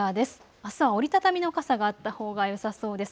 あすは折り畳みの傘があったほうがよさそうです。